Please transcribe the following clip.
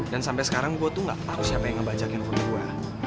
dan sampe sekarang gue tuh enggak tau siapa yang ngebajakin handphone gue